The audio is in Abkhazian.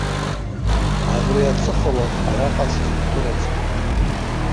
Абри аҵыхәалоуп араҟа сзуԥылазгьы.